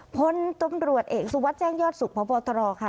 พลตำรวจเอกสุวัสดิ์แจ้งยอดสุขพบตรค่ะ